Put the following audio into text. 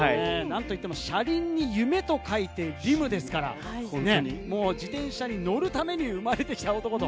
車輪に夢と書いて輪夢ですから、自転車に乗るために生まれてきた男と。